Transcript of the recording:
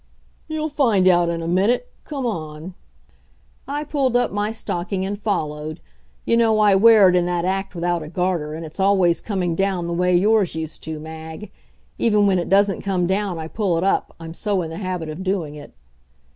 "You'll find out in a minute. Come on." I pulled up my stocking and followed. You know I wear it in that act without a garter, and it's always coming down the way yours used to, Mag. Even when it doesn't come down I pull it up, I'm so in the habit of doing it.